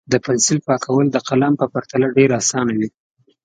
د پنسل پاکول د قلم په پرتله ډېر اسانه وي.